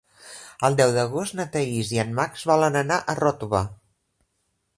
El deu d'agost na Thaís i en Max volen anar a Ròtova.